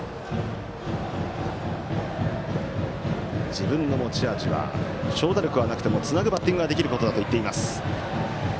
自分の持ち味は長打力はなくてもつなぐバッティングができることだと言っています。